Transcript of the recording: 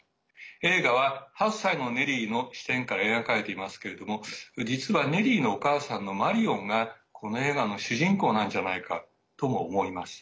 映画は８歳のネリーの視点から描かれていますけれども実は、ネリーのお母さんのマリオンがこの映画の主人公なんじゃないかとも思います。